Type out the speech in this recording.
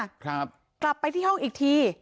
กลับไปที่ห้องอีกที